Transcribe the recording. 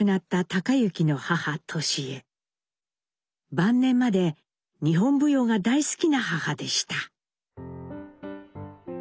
晩年まで日本舞踊が大好きな母でした。